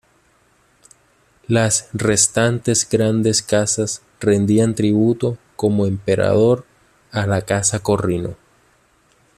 Las restantes Grandes Casas rendían tributo, como Emperador, a la Casa Corrino.